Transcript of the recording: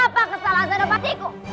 apa kesalahan dan nepatiku